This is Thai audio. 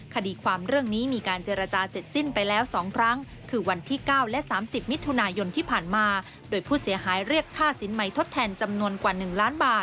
คดีความเรื่องนี้มีการเจรจาเสร็จสิ้นไปแล้ว๒ครั้ง